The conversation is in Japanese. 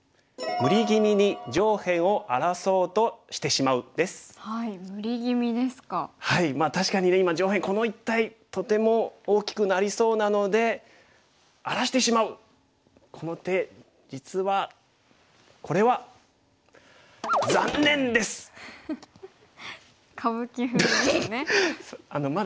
まあ確かにね今上辺この一帯とても大きくなりそうなので荒らしてしまうこの手実はこれは歌舞伎風ですね。